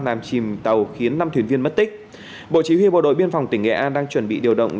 làm chìm tàu khiến năm thuyền viên mất tích bộ chỉ huy bộ đội biên phòng tỉnh nghệ an đang chuẩn bị điều động